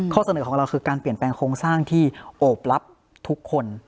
เสนอของเราคือการเปลี่ยนแปลงโครงสร้างที่โอบรับทุกคน